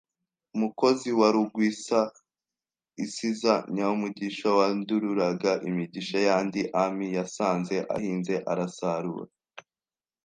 Mukozi wa Rugwizaisiza Nyamugisha Wandururaga imigisha y’andi ami Yasanze ahinze arasarura